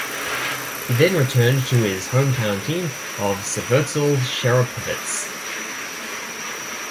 He then returned to his hometown team of Severstal Cherepovets.